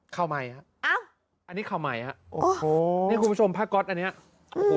ข่าวใหม่อ่ะนี่คุณผู้ชมภาคก๊อตอันนี้โอ้โฮ